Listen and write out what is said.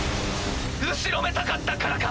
後ろめたかったからか？